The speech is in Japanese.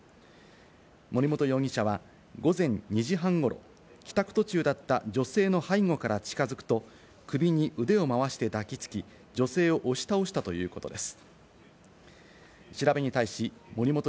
盛本容疑者は午前２時半ごろ、帰宅途中だった女性の背後から近づくと、首に腕を回して抱きつき、女性を押し倒したということです。